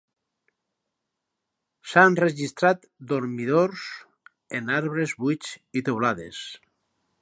S'han registrat dormidors en arbres buits i teulades.